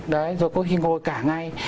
đấy rồi có khi ngồi cả ngày